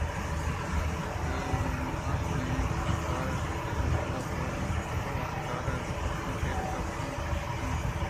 آ ہر دیں کہ شکار ءَ شُتاں گُڑا روباہ ءَ شکار درگیتک ءُ شیر ءَ آ گپت ءُ کُشت اَنت